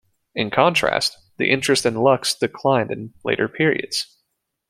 In contrast, the interest in Lux declined in later periods.